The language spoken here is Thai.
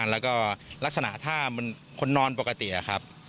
แล้วก็ลักษณะท่าเหมือนคนนอนปกติครับ